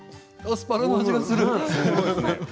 アスパラの味がする。